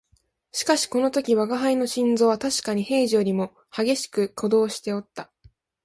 しかしこの時吾輩の心臓はたしかに平時よりも烈しく鼓動しておった